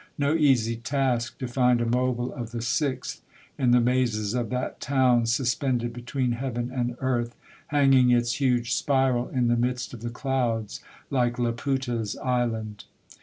No easy task to find a mobile of the Sixth in the mazes of that town suspended be tween heaven and earth, hanging its huge spiral in the midst of the clouds, hke Laputa's island.